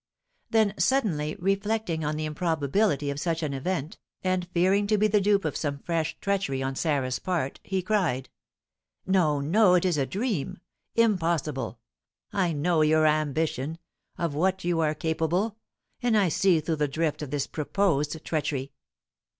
Then, suddenly reflecting on the improbability of such an event, and fearing to be the dupe of some fresh treachery on Sarah's part, he cried, "No, no, it is a dream! Impossible! I know your ambition of what you are capable and I see through the drift of this proposed treachery!"